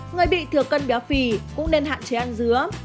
người bị thừa cân béo phì cũng nên hạn chế ăn dứa